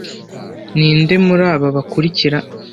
Ninde muri aba bakurikira